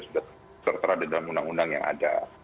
serta ada dalam undang undang yang ada